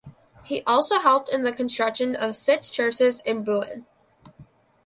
He also helped in the construction of six churches in Buin.